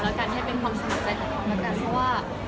และการให้เป็นความสนับใจของเขา